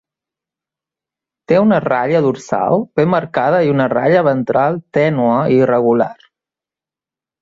Té una ratlla dorsal ben marcada i una ratlla ventral tènue i irregular.